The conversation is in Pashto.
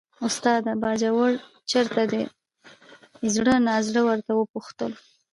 استاده! باجوړ چېرته دی، زړه نازړه ورته وپوښتل.